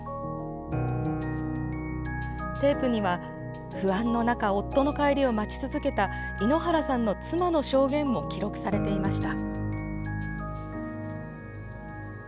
テープには、不安の中夫の帰りを待ち続けた猪原さんの妻の証言も記録されていました。